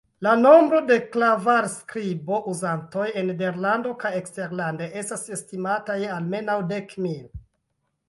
La nombro de Klavarskribo-uzantoj en Nederlando kaj eksterlande estas estimata je almenaŭ dek mil.